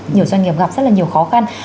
nhiều doanh nghiệp gặp rất là nhiều khó khăn